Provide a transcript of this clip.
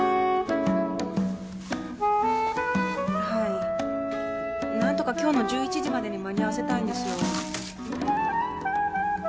はいなんとか今日の１１時までに間に合わせたいんですよ。